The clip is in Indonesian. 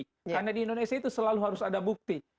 karena di indonesia itu selalu harus ada bukti